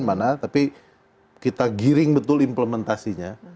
mana tapi kita giring betul implementasinya